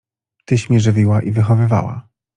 Tyś mnie żywiła i wychowywała.